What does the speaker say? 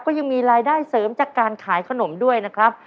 ก็ยังมีรายได้เสริมจากการขายขนมด้วยนะครับ